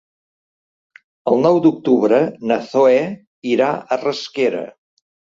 El nou d'octubre na Zoè irà a Rasquera.